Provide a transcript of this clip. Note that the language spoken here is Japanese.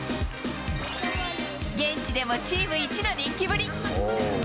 現地でもチーム１の人気ぶり。